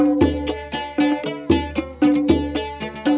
kopi tetap butuh pengakuan dari penikmatnya